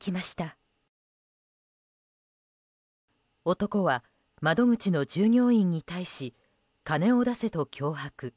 男は、窓口の従業員に対し金を出せと脅迫。